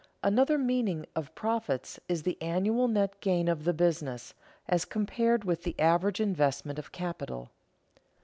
_Another meaning of profits is the annual net gain of the business, as compared with the average investment of capital.